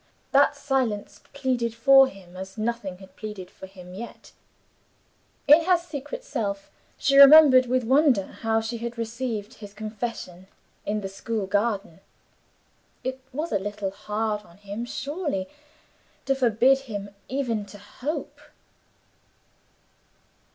That silence pleaded for him as nothing had pleaded for him yet. In her secret self she remembered with wonder how she had received his confession in the school garden. It was a little hard on him, surely, to have forbidden him even to hope.